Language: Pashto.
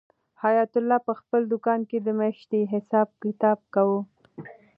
حیات الله په خپل دوکان کې د میاشتې حساب کتاب کاوه.